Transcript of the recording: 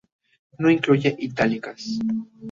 No incluye itálicas.